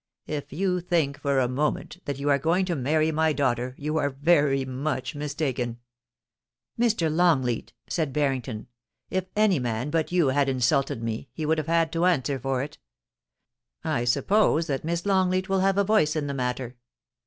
If you think for a moment that you are going to marry my daughter you are very much mistaken.* * Mr. Longleat,' said Harrington, * if any man but you had insulted me he would have had to answer for it I suppose that Miss Longleat will have a voice in the matter.